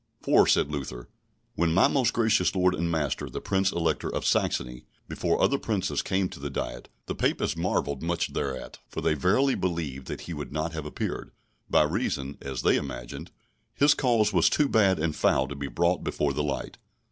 For, said Luther, when my most gracious Lord and master, the Prince Elector of Saxony, before other Princes came to the Diet, the Papists marvelled much thereat, for they verily believed that he would not have appeared, by reason (as they imagined) his cause was too bad and foul to be brought before the light.